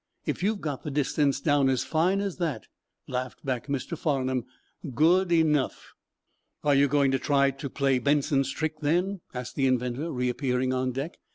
"If you've got the distance down as fine as that," laughed back Mr. Farnum, "good enough!" "Are you going to try to play Benson's trick, then?" asked the inventor, reappearing on deck.